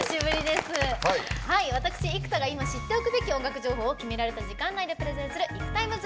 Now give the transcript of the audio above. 私、生田が今、知っておくべき音楽情報を決められた時間内でプレゼンする「ＩＫＵＴＩＭＥＳ」。